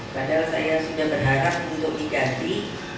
padahal saya sudah berharap untuk diganti